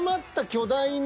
巨大な。